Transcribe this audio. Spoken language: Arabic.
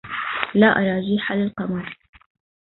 لا أراجيح للقمر..